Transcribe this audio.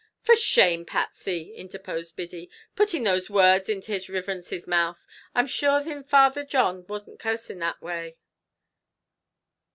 "For shame, Patsy!" interposed Biddy, "putting those words into his riverence's mouth. I'm sure thin Father John wasn't cursing that way."